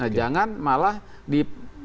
jangan malah di